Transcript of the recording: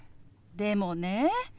でもね